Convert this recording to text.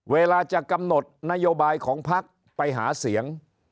เวลาจะกำหนดนโยบายของพักไปหาเสียง